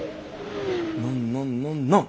ノンノンノンノン。